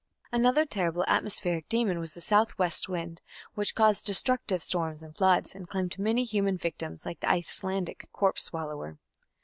Another terrible atmospheric demon was the south west wind, which caused destructive storms and floods, and claimed many human victims like the Icelandic "corpse swallower".